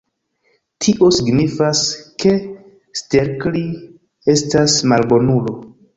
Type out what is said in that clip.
Tio signifas, ke Stelkri estas malbonulo.